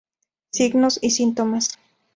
Signos y síntomas.